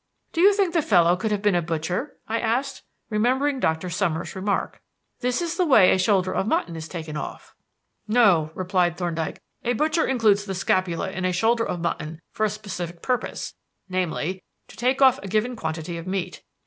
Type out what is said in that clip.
"Do you think the fellow could have been a butcher?" I asked, remembering Dr. Summers' remark. "This is the way a shoulder of mutton is taken off." "No," replied Thorndyke. "A butcher includes the scapula in a shoulder of mutton for a specific purpose, namely, to take off a given quantity of meat.